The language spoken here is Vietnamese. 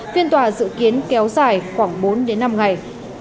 phiên tòa dự kiến kéo dài khoảng bốn đến năm ngày